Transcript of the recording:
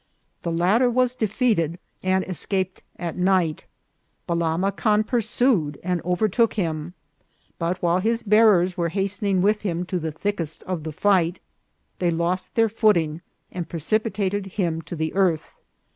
The latter was defeated, and es caped at night. Balam Acan pursued and overtook him ; but while his bearers were hastening with him to the thickest of the fight, they lost their footing, and precipitated him to the earth.